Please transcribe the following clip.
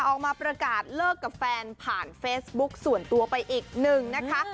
ออกมาประกาศเลิกกับแฟนผ่านเฟซบุ๊คส่วนตัวไปอีกหนึ่งนะคะ